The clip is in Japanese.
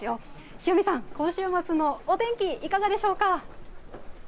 塩見さん、今週末のお天気いかがでしょうか。